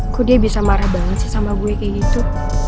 kok dia bisa marah banget sih sama gue kayak gitu